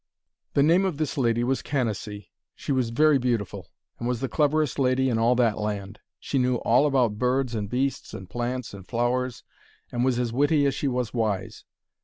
The name of this lady was Canacee. She was very beautiful, and was the cleverest lady in all that land. She knew all about birds and beasts and plants and flowers, and was as witty as she was wise.